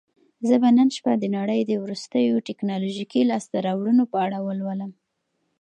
زه به نن شپه د نړۍ د وروستیو ټیکنالوژیکي لاسته راوړنو په اړه ولولم.